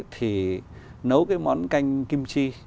thì nấu cái món canh kimchi